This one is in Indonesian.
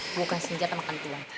bukan senjata makan tuan